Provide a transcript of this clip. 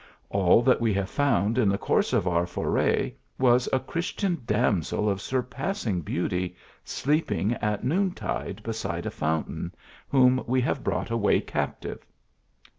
All that we have found in the course of our foray was a Christian damsel of sur passing beauty, sleeping at noon tide beside a foun tain, whom we have brought away captive."